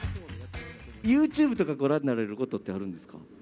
ユーチューブとか、ご覧になられることってあるんですか。